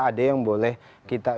ada yang boleh kita